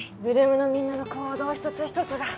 ８ＬＯＯＭ のみんなの行動一つ一つが